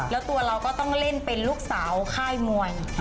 แล้วตัวเราก็ต้องเล่นเป็นลูกสาวค่ายมวย